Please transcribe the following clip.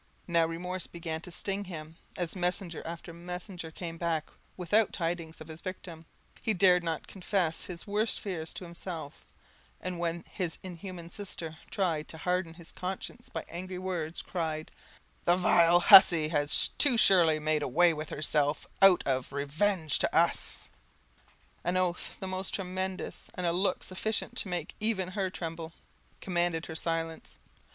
Now remorse began to sting him, as messenger after messenger came back without tidings of his victim; he dared not confess his worst fears to himself; and when his inhuman sister, trying to harden her conscience by angry words, cried, "The vile hussy has too surely made away with herself out of revenge to us;" an oath, the most tremendous, and a look sufficient to make even her tremble, commanded her silence.